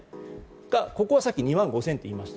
ここはさっき２万５０００と言いました。